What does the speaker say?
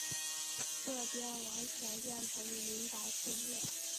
这边完全变成银白世界